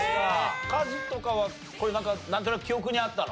カズとかはこれなんとなく記憶にあったの？